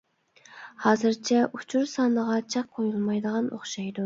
ھازىرچە ئۇچۇر سانىغا چەك قويۇلمايدىغان ئوخشايدۇ.